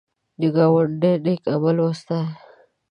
د ګاونډي نېک عمل وستایه